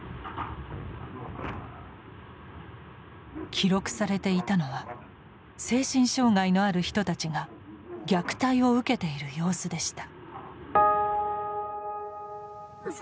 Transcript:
記録されていたのは精神障害のある人たちが虐待を受けている様子でした。